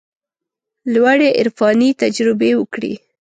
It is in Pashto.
لوړې عرفاني تجربې وکړي.